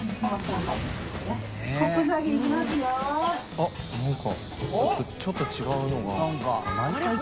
あっなんかちょっと違うのが。